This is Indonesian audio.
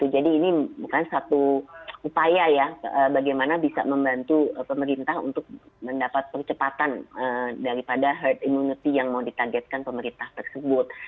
jadi ini bukan satu upaya ya bagaimana bisa membantu pemerintah untuk mendapat percepatan daripada herd immunity yang mau ditagetkan pemerintah tersebut